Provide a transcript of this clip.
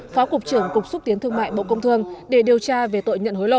phó cục trưởng cục xúc tiến thương mại bộ công thương để điều tra về tội nhận hối lộ